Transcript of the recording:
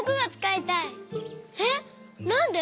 えっなんで？